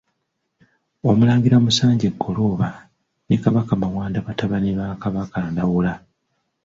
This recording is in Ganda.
Omulangira Musanje Ggolooba ne Kabaka Mawanda batabani ba Kabaka Ndawula.